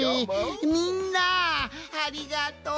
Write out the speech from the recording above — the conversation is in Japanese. みんなありがとう！